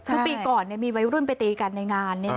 ผู้ปีก่อนมีไว้วัยรุ่นประตีกันในงาน